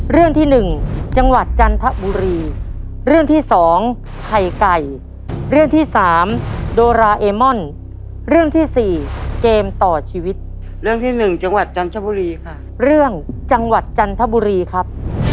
เรื่องที่หนึ่งจังหวัดจันทบุรีค่ะเรื่องจังหวัดจันทบุรีครับ